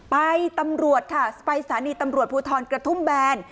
ตำรวจค่ะไปสถานีตำรวจภูทรกระทุ่มแบน